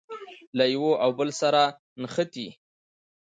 له یوه او بل سره نښتي.